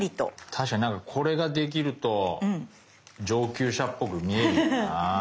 確かにこれができると上級者っぽく見えるよな。